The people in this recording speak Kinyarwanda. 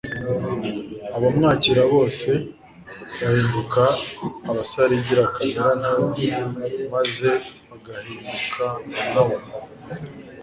Abamwakira bose bahinduka abasarigira kamere na we maze bagahinduka nka we.